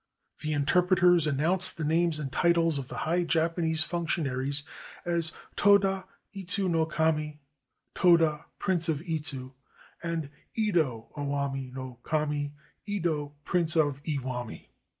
The interpreters announced the names and titles of the high Japanese functionaries as Toda Idzu no kami, Toda, Prince of Idzu, and Ido Owami no kami, Ido, Prince of Iwami.